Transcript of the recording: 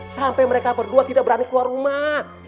sampai mereka berdua tidak berani keluar rumah